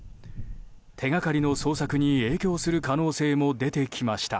手がかりの捜索に影響する可能性も出てきました。